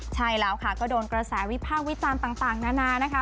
ใช่แล้วค่ะก็โดนกระแสวิพากษ์วิจารณ์ต่างนานานะคะ